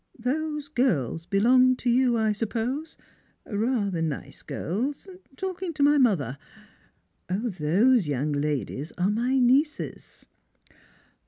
Those girls belong to you, I suppose ? rather nice girls — talking to my mother." " Those young ladies are my nieces."